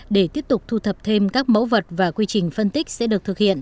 để tiếp tục thu thập thêm các mẫu vật và quy trình phân tích sẽ được thực hiện